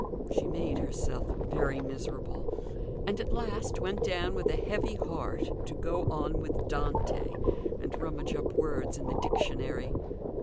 She made herself very miserable; and at last went down with a heavy heart to go on with Dante, and rummage up words in the dictionary.